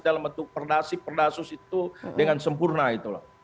dalam bentuk perdasus itu dengan sempurna